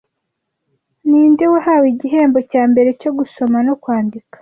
Ninde wahawe igihembo cyambere cyo gusoma no kwandika'